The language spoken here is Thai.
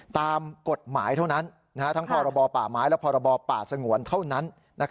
ตามกฎหมายเท่านั้นทั้งพรบป่าไม้และพรบป่าสงวนเท่านั้น